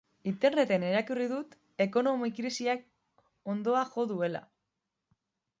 Interneten irakurri dut ekonomia krisiak hondoa jo duela.